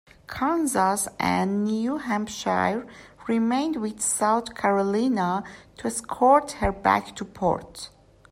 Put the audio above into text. "Kansas" and "New Hampshire" remained with "South Carolina" to escort her back to port.